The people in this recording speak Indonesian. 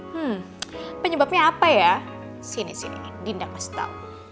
hmm penyebabnya apa ya sini sini dindang mas tau